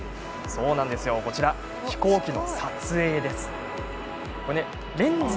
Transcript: そう、飛行機の撮影です。